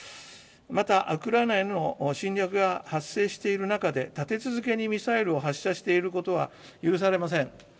また、ウクライナへの侵略が発生している中で、立て続けにミサイルを発射していることは許されません。